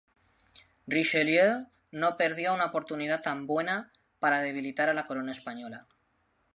Richelieu no perdió una oportunidad tan buena para debilitar a la corona española.